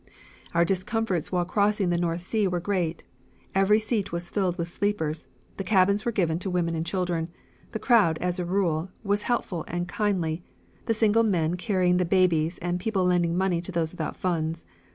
"Our discomforts while crossing the North Sea were great. Every seat was filled with sleepers, the cabins were given to women and children. The crowd, as a rule, was helpful and kindly, the single men carrying the babies and people lending money to those without funds.